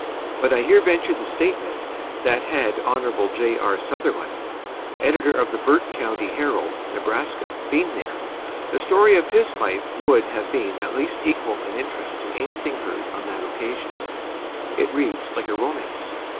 But I here venture the statement that had Hon. J. R. Sutherland, editor of the Burt County Herald, Nebraska, been there, the story of his life would have been at least equal in interest to anything heard on that occasion. It reads like a romance.